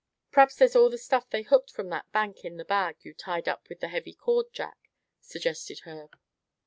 "P'raps there's all the stuff they hooked from that bank in the bag you tied up with that heavy cord, Jack," suggested Herb.